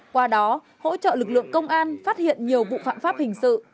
qua đó hỗ trợ lực lượng công an phát hiện nhiều vụ phạm pháp hình sự